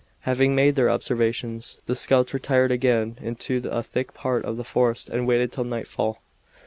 Having made their observations, the scouts retired again into a thick part of the forest and waited till nightfall.